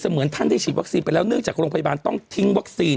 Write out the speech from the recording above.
เหมือนท่านได้ฉีดวัคซีนไปแล้วเนื่องจากโรงพยาบาลต้องทิ้งวัคซีน